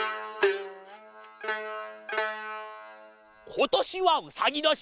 ことしはうさぎどし！